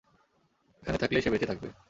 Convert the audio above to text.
এখানে থাকলেই সে বেঁচে থাকবে।